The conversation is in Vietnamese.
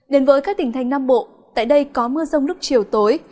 đến với các tỉnh thành nam bộ tại đây có mưa rông lúc chiều tối